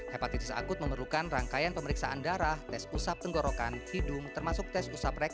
hepatitis akut memerlukan rangkaian pemeriksaan darah tes usap tenggorokan hidung termasuk tes usap